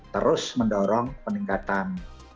terus mendorong peningkatan